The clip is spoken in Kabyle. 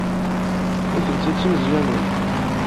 Nitenti d timeẓyanin.